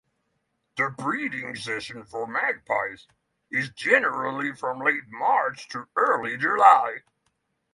The breeding season for magpies is generally from late March to early July.